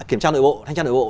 kiểm tra nội bộ